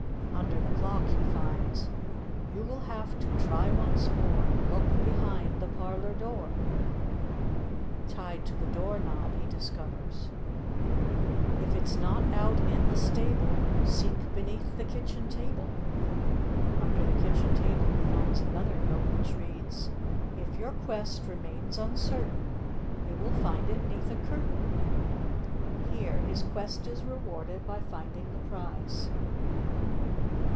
Under the clock he finds: "You will have to try once more; Look behind the parlor door." Tied to the door knob he discovers: "If it's not out in the stable Seek beneath the kitchen table." Under the kitchen table he finds another note, which reads: "If your quest remains uncertain, You will find it 'neath a curtain." And here his quest is rewarded by finding the prize.